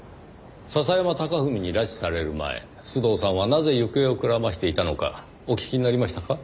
笹山隆文に拉致される前須藤さんはなぜ行方をくらましていたのかお聞きになりましたか？